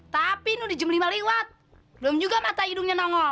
tapi ini di jam lima lewat belum juga mata hidungnya nongol